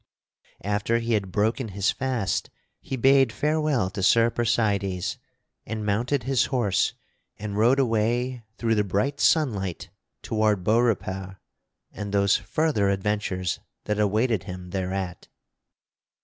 After he had broken his fast he bade farewell to Sir Percydes and mounted his horse and rode away through the bright sunlight toward Beaurepaire and those further adventures that awaited him thereat.